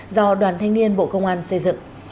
do đoàn thanh niên bộ công an xây dựng